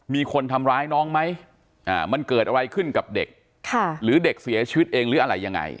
มีคนทำร้ายน้องไหมมันเกิดอะไรขึ้นกับเด็กหรือเด็กเสียชีวิตเองหรืออะไรยังไง